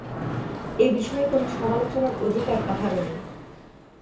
এ বিষয়ে কোন সমালোচনার অধিকার কাহারও নাই।